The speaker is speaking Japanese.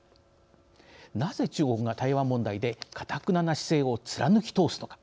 なぜ、中国が台湾問題でかたくなな姿勢を貫き通すのか。